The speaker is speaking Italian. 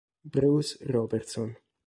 Bruce Robertson